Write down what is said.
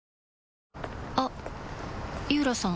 あっ井浦さん